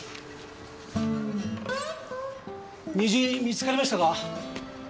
虹見つかりましたか？